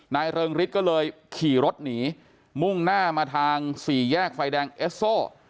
เริงฤทธิ์ก็เลยขี่รถหนีมุ่งหน้ามาทางสี่แยกไฟแดงเอสโซ